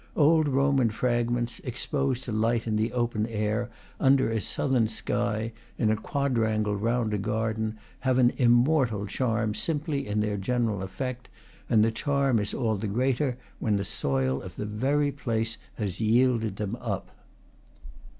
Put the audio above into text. Old Roman fragments, ex posed to light in the open air, under a southern sky, in a quadrangle round a garden, have an immortal charm simply in their general effect; and the charm is all the greater when the soil of the very place has yielded them up.